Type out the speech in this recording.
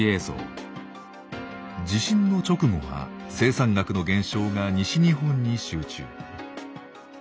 地震の直後は生産額の減少が西日本に集中。